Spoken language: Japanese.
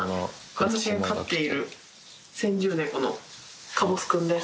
私が飼っている先住猫のかぼす君です。